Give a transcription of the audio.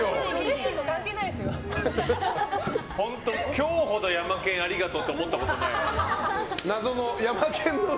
今日ほどヤマケンありがとうって思ったことないよ。